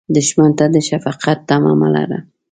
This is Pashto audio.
دښمن ته د شفقت تمه مه لره